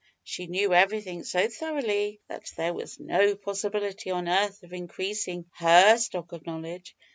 she knew everything so thoroughly that there was no possibility on earth of increasing her stock of knowledge!